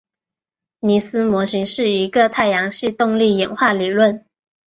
尼斯模型是一个太阳系动力演化理论。